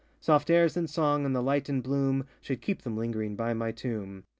Soft airs and song, and the light and bloom, Should keep them lingering by my tomb.